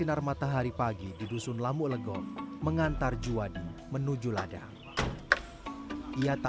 ini mengedepankan karena nanti di hasil panen kita yang kita kedepankan adalah mutu dan kualitas